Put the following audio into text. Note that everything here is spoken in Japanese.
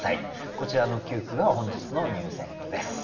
こちらの９句が本日の入選句です。